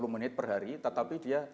dua puluh menit per hari tetapi dia